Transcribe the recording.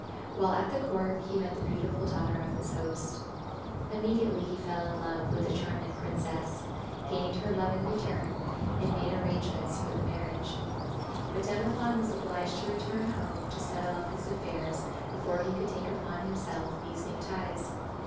While at the court he met the beautiful daughter of his host. Immediately he fell in love with the charming princess, gained her love in return, and made arrangements for the marriage. But Demophon was obliged to return home to settle up his affairs before he could take upon himself these new ties.